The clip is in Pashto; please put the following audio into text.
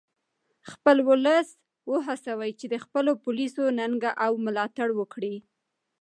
خپل ولس و هڅوئ چې د خپلو پولیسو ننګه او ملاتړ وکړي